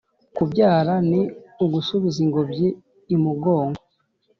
Kubyara ni ugusubiza ingobyi imugongo.